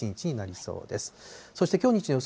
そしてきょう日中の予想